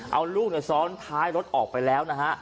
เอาลูกซ้อนท้ายรถออกไปแล้วนะฮะ